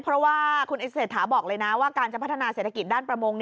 เพราะว่าคุณเศรษฐาบอกเลยนะว่าการจะพัฒนาเศรษฐกิจด้านประมง